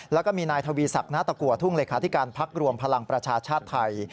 แล้วก็มีนายทวีศักดิณตะกัวทุ่งเลขาธิการพักรวมพลังประชาชาติไทย